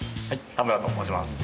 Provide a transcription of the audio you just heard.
田村と申します。